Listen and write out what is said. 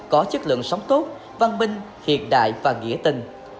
có chất lượng sống tốt văn minh hiện đại và nghĩa tình